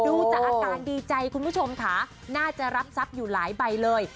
ดูจากอาการดีใจคุณผู้ชมค่ะน่าจะรับทรัพย์อยู่หลายใบเลย